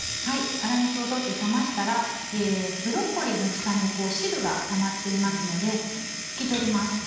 粗熱を取って冷ましたらブロッコリーの房に汁がたまっていますので拭き取ります。